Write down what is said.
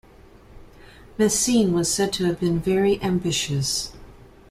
Messene was said to have been very ambitious.